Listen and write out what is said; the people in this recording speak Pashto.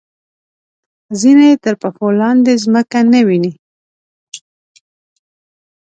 ځینې تر پښو لاندې ځمکه نه ویني.